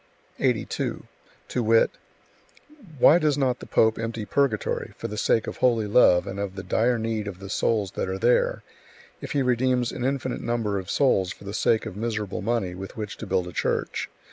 82. To wit: "Why does not the pope empty purgatory, for the sake of holy love and of the dire need of the souls that are there, if he redeems an infinite number of souls for the sake of miserable money with which to build a Church?